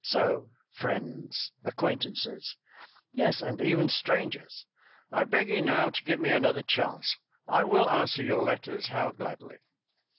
So, friends, acquaintances, yes, and even strangers, I beg you now to give me another chance. I will answer your letters, how gladly.